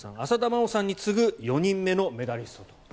浅田真央さんに続く４人目のメダリストと。